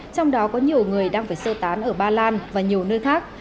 trong đó có nhiều người đang phải sơ tán ở ba lan và nhiều nơi khác